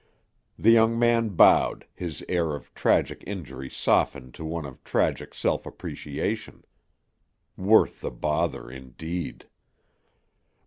The young man bowed, his air of tragic injury softened to one of tragic self appreciation. Worth the bother, indeed!